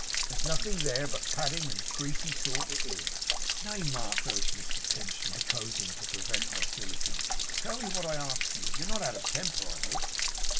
There's nothing there but padding; and a greasy sort it is.' 'Nay, Mark,' urged Mr Pinch, interposing to prevent hostilities, 'tell me what I ask you. You're not out of temper, I hope?